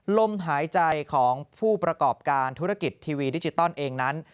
ลมหายใจของผู้ประกอบการธุรกิจทีวีดิจิตอลเองนั้น